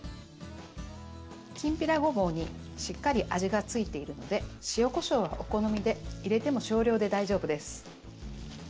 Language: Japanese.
きんぴらごぼうにしっかり味がついているので塩こしょうはお好みで入れても少量で大丈夫です。